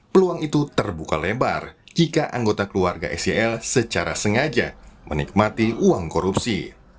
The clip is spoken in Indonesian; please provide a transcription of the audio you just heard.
peluang itu terbuka lebar jika anggota keluarga sel secara sengaja menikmati uang korupsi